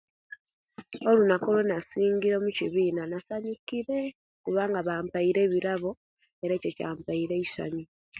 Olunaku lwenasingire omukiibina nasanyukire kubanga bampaire ebirabo era ekyo kyampaile essanyu